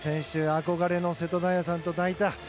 憧れの瀬戸大也選手と抱いた。